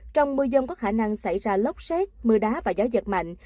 trong mưa dông có khả năng xảy ra lốc xét mưa đá và gió giật mạnh